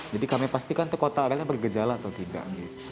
jadi kami pastikan itu kontak ratnya bergejala atau tidak